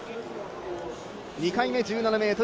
２回目１７ｍ３